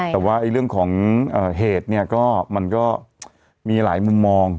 แต่ว่าเรื่องของเหตุเนี่ยก็มันก็มีหลายมุมมอง